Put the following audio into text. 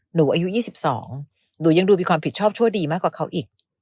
อายุ๒๒หนูยังดูมีความผิดชอบชั่วดีมากกว่าเขาอีก